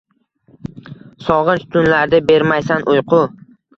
Sog’inch tunlarida bermaysan uyqu